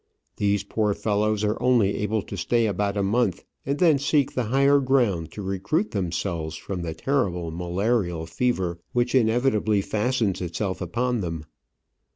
These poor fellows are only able to stay about a month, and then seek the higher ground to recruit themselves from the terrible malarial fever which inevitably fastens itself upon them.